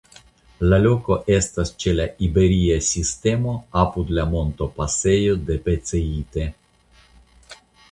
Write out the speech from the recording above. La loko estas ĉe la Iberia Sistemo apud la montopasejo de Beceite.